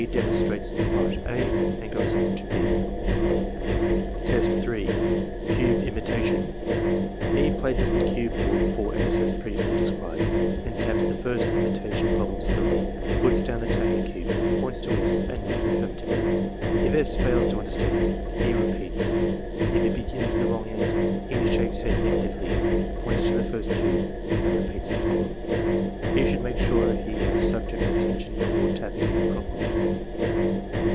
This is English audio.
demonstrates part (a) and goes on to (6). Test 3. — Cube Imitation E. places the cube board before S. as previously described; then taps the first imitation problem slowly, puts down the tapping cube, points to S., and nods afiirmatively. If S. fails to imderstand, E. repeats; if he begins at the wrong end, E. shakes head negatively, points to the first cube, and repeats the problem. E. should make sure he has subject's attention before tapping any problem.